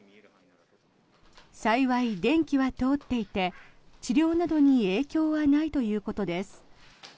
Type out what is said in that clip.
幸い、電気は通っていて治療などに影響はないということです。